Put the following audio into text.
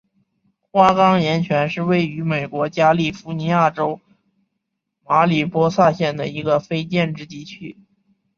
花岗岩泉是位于美国加利福尼亚州马里波萨县的一个非建制地区。